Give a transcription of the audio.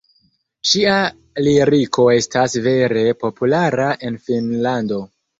Ŝia liriko estas vere populara en Finnlando.